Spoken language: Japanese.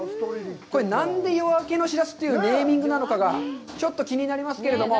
これ、何で「夜明けのしらす」というネーミングなのか、ちょっと気になりますけれども。